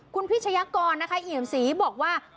คุณพิชยากรนะคะเอี่ยมศรีบอกว่า